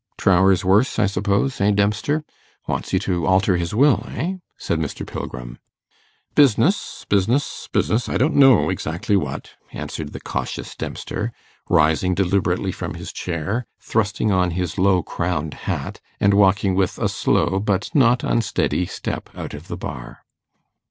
'Trower's worse, I suppose; eh, Dempster? Wants you to alter his will, eh?' said Mr. Pilgrim. 'Business business business I don't know exactly what,' answered the cautious Dempster, rising deliberately from his chair, thrusting on his low crowned hat, and walking with a slow but not unsteady step out of the bar.